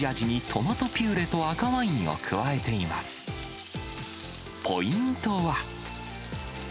ポイントは。